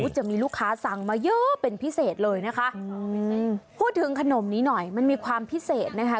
จะมีลูกค้าสั่งมาเยอะเป็นพิเศษเลยนะคะอืมพูดถึงขนมนี้หน่อยมันมีความพิเศษนะคะ